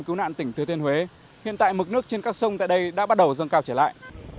cứu nạn tỉnh thừa thiên huế hiện tại mực nước trên các sông tại đây đã bắt đầu dâng cao trở lại